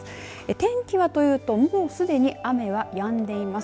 天気はというと、もうすでに雨はやんでいます。